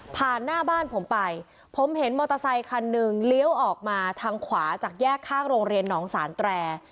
หน้าบ้านผมไปผมเห็นมอเตอร์ไซคันหนึ่งเลี้ยวออกมาทางขวาจากแยกข้างโรงเรียนหนองสานแตร